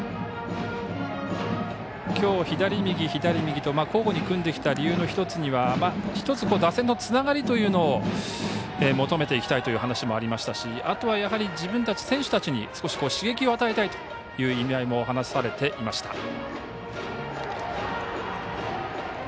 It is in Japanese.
きょう左、右、左、右と交互に組んできた理由の１つには打線のつながりというのを求めていきたいという話もありましたしあとは自分たち、選手たちに少し刺激を与えたいという意味合いも話されていました。